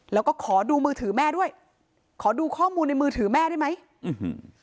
แล้วก็ขอดูมือถือแม่ด้วยขอดูข้อมูลในมือถือแม่ได้ไหมอื้อหือ